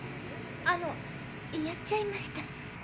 あのやっちゃいました。